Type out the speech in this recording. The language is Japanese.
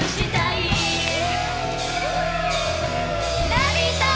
ラヴィット！